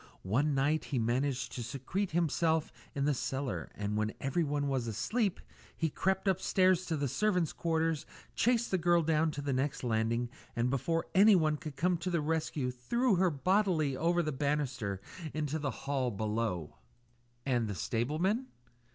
One night he managed to secrete himself in the cellar, and when everyone was asleep, he crept upstairs to the servants' quarters, chased the girl down to the next landing, and before anyone could come to the rescue threw her bodily over the banisters into the hall below." "And the stableman